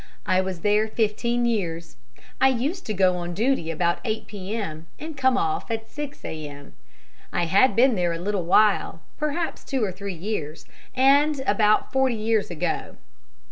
I was there fifteen years. I used to go on duty about 8 p.m. and come off at 6 a.m. I had been there a little while perhaps two or three years and about forty years ago.